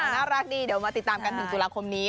น่ารักดีเดี๋ยวมาติดตามกัน๑ตุลาคมนี้